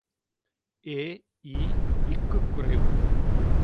எ.இ.்குக் குறைவு.